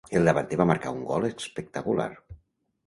El davanter va marcar un gol espectacular.